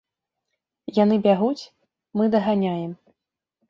Яны бягуць, мы даганяем.